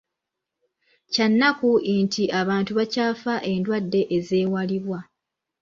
Kya nnaku nti abantu bakyafa endwadde ezeewalibwa.